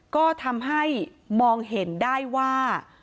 ก็ทำให้มองเห็นได้ว่า